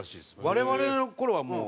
我々の頃はもう。